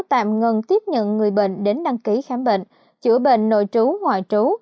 tạm ngừng tiếp nhận người bệnh đến đăng ký khám bệnh chữa bệnh nội trú ngoại trú